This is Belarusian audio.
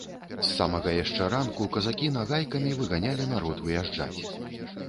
З самага яшчэ ранку казакі нагайкамі выганялі народ выязджаць.